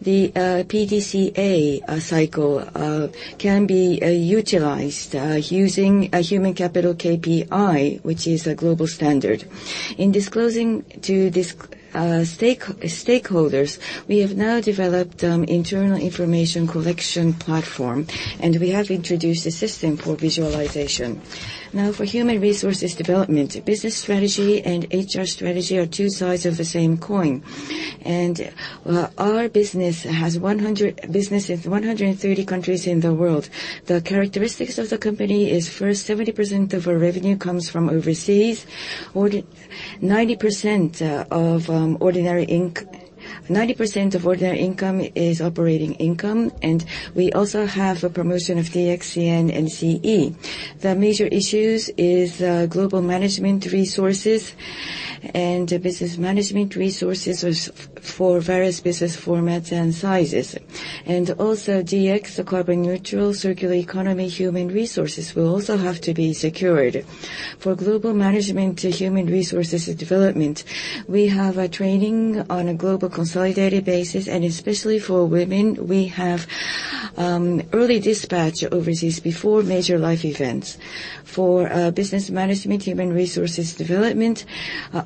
the PDCA cycle can be utilized using a human capital KPI, which is a global standard. In disclosing to stakeholders, we have now developed internal information collection platform, and we have introduced a system for visualization. Now, for human resources development, business strategy and HR strategy are two sides of the same coin. Our business is 130 countries in the world. The characteristics of the company is, first, 70% of our revenue comes from overseas. 90% of ordinary income is operating income, and we also have a promotion of DX, CN, and CE. The major issues is global management resources and business management resources for various business formats and sizes. Also DX, the carbon neutral circular economy human resources will also have to be secured. For global management human resources and development, we have a training on a global consolidated basis, and especially for women, we have early dispatch overseas before major life events. For business management human resources development,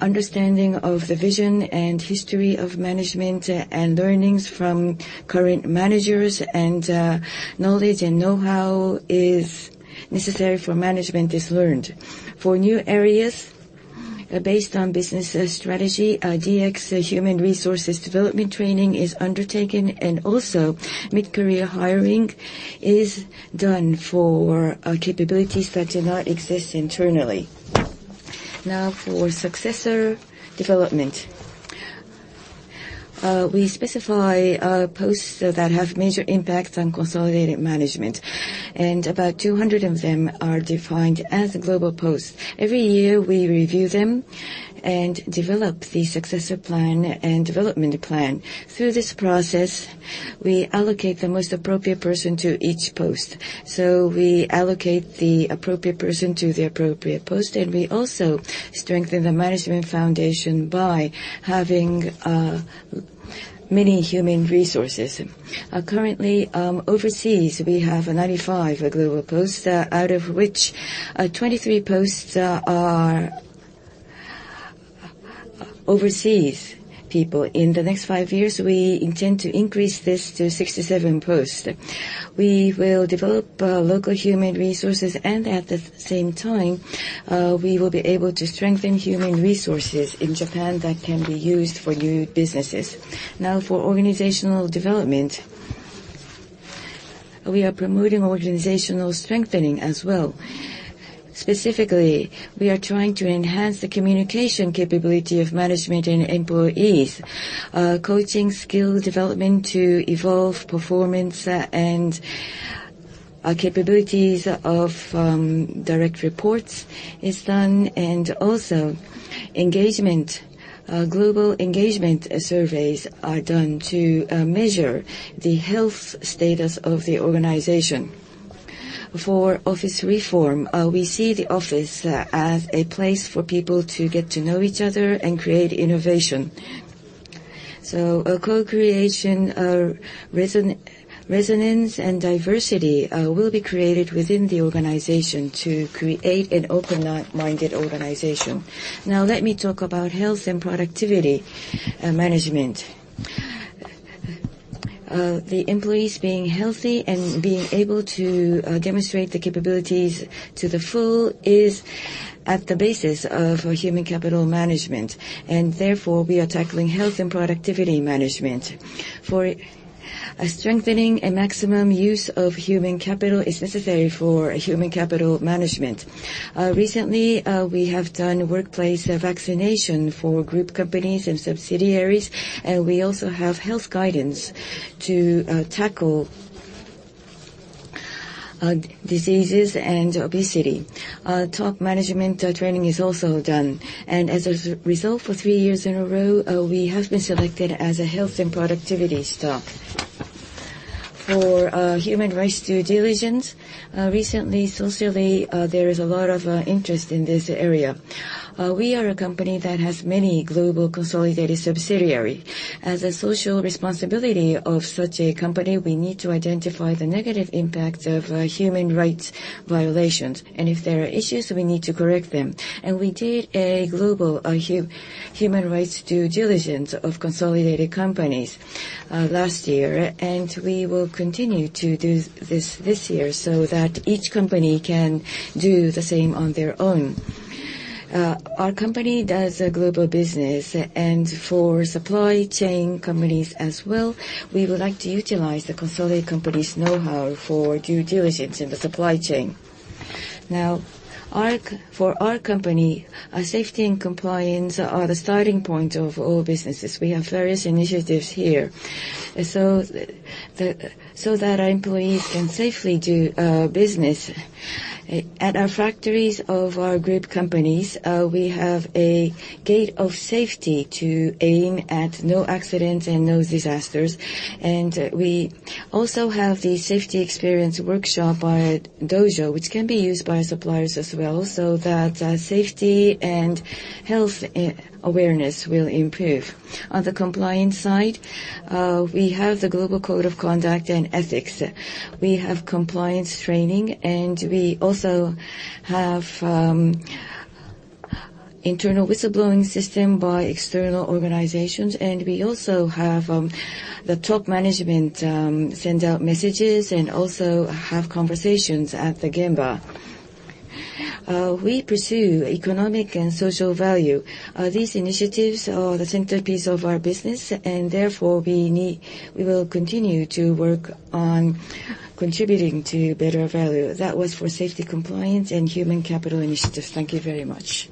understanding of the vision and history of management and learnings from current managers and knowledge and know-how is necessary for management is learned. For new areas, based on business strategy, DX human resources development training is undertaken, and also mid-career hiring is done for capabilities that do not exist internally. For successor development. We specify posts that have major impact on consolidated management, and about 200 of them are defined as global posts. Every year, we review them and develop the successor plan and development plan. Through this process, we allocate the most appropriate person to each post. We allocate the appropriate person to the appropriate post, and we also strengthen the management foundation by having many human resources. Currently, overseas, we have 95 global posts, out of which 23 posts are overseas people. In the next 5 years, we intend to increase this to 67 posts. We will develop local human resources, and at the same time, we will be able to strengthen human resources in Japan that can be used for new businesses. Now for organizational development. We are promoting organizational strengthening as well. Specifically, we are trying to enhance the communication capability of management and employees. Coaching skill development to evolve performance and capabilities of direct reports is done, and also engagement. Global engagement surveys are done to measure the health status of the organization. For office reform, we see the office as a place for people to get to know each other and create innovation. A co-creation, resonance and diversity will be created within the organization to create an open-minded organization. Now let me talk about health and productivity management. The employees being healthy and being able to demonstrate the capabilities to the full is at the basis of human capital management, and therefore, we are tackling health and productivity management. A strengthening and maximum use of human capital is necessary for human capital management. Recently, we have done workplace vaccination for group companies and subsidiaries, and we also have health guidance to tackle diseases and obesity. Top management training is also done. As a result, for three years in a row, we have been selected as a health and productivity stock. Human rights due diligence, recently, socially, there is a lot of interest in this area. We are a company that has many global consolidated subsidiary. As a social responsibility of such a company, we need to identify the negative impact of human rights violations. If there are issues, we need to correct them. We did a global human rights due diligence of consolidated companies last year, and we will continue to do this year so that each company can do the same on their own. Our company does a global business, and for supply chain companies as well, we would like to utilize the consolidated company's know-how for due diligence in the supply chain. Our company, our safety and compliance are the starting point of all businesses. We have various initiatives here. So that our employees can safely do business. At our factories of our group companies, we have a gate of safety to aim at no accidents and no disasters. We also have the safety experience workshop by dojo, which can be used by suppliers as well, so that safety and health awareness will improve. On the compliance side, we have the global code of conduct and ethics. We have compliance training, and we also have internal whistleblowing system by external organizations, and we also have the top management send out messages and also have conversations at the gemba. We pursue economic and social value. These initiatives are the centerpiece of our business, and therefore, we will continue to work on contributing to better value. That was for safety compliance and human capital initiatives. Thank you very much.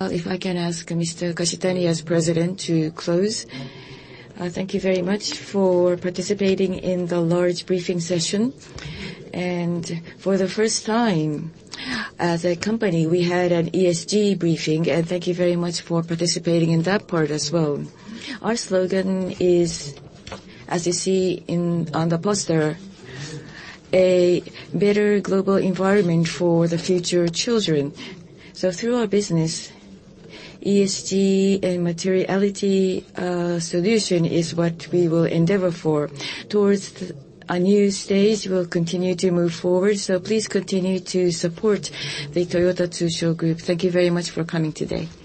Well, if I can ask Mr. Kashitani as President to close. Thank you very much for participating in the large briefing session. For the first time as a company, we had an ESG briefing, and thank you very much for participating in that part as well. Our slogan is, as you see in, on the poster, "A better global environment for the future children." Through our business, ESG and materiality, solution is what we will endeavor for. Towards a new stage, we'll continue to move forward. Please continue to support the Toyota Tsusho group. Thank you very much for coming today.